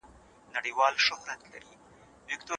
هغه هیله لرله چې وضعیت به ښه شي.